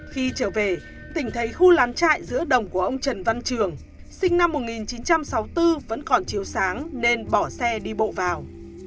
khi trở về tỉnh thấy khu lán chạy giữa đồng của ông trần văn trường sinh năm một nghìn chín trăm sáu mươi bốn vẫn còn chiếu sáng nên bỏ xe đi bộ vào